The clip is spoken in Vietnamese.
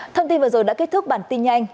thông tin vừa rồi đã kết thúc bản tin nhanh